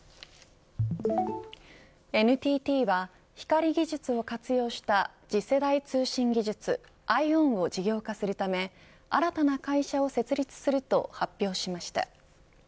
ＮＴＴは光技術を活用した次世代通信技術ＩＷＯＮを事業化するため新たな会社を設立すると発表しました。